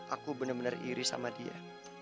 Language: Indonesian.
aku bener bener iri sama dia